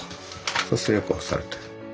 そうするとよく干されて。